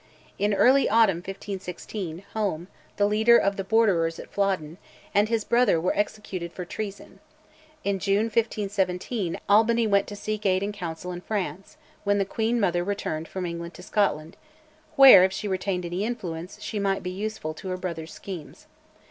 In early autumn, 1516, Home, the leader of the Borderers at Flodden, and his brother were executed for treason; in June, 1517, Albany went to seek aid and counsel in France; when the queen mother returned from England to Scotland, where, if she retained any influence, she might be useful to her brother's schemes.